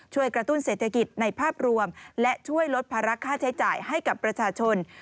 ช่วยกระตุ้นเศรษฐกิจในภาพรวมและช่วยลดภาระค่าใช้จ่ายให้กับประชาชน